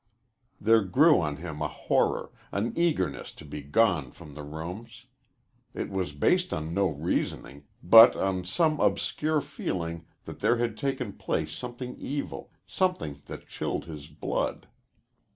There grew on him a horror, an eagerness to be gone from the rooms. It was based on no reasoning, but on some obscure feeling that there had taken place something evil, something that chilled his blood.